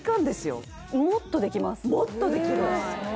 もっとできる？